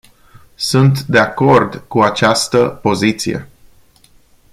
Sunt de acord cu această poziție.